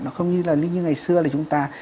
nó không như là như ngày xưa là chúng ta